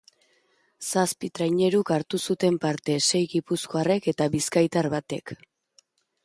Zazpi traineruk hartu zuten parte, sei gipuzkoarrek eta bizkaitar batek.